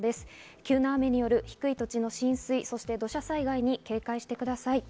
急な雨による低い土地の浸水、そして土砂災害に警戒してください。